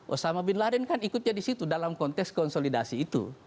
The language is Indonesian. osama bin laden kan ikutnya di situ dalam kontes konsolidasi itu